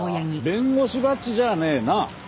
弁護士バッジじゃねえな？